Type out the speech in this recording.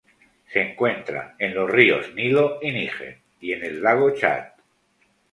Se encuentra en los ríos Nilo y Níger, y en el lago Chad.